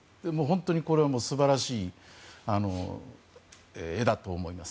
これは素晴らしい絵だと思います。